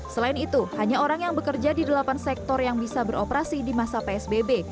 selain itu hanya orang yang bekerja di delapan sektor yang bisa beroperasi di masa psbb